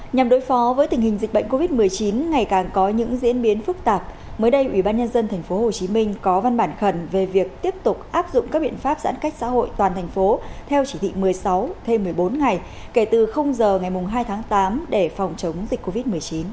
nhằm đối phó với tình hình dịch bệnh covid một mươi chín ngày càng có những diễn biến phức tạp mới đây ủy ban nhân dân tp hcm có văn bản khẩn về việc tiếp tục áp dụng các biện pháp giãn cách xã hội toàn thành phố theo chỉ thị một mươi sáu thêm một mươi bốn ngày kể từ giờ ngày hai tháng tám để phòng chống dịch covid một mươi chín